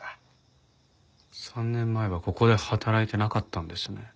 ３年前はここで働いてなかったんですね。